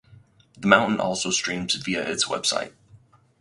The Mountain also streams via its website.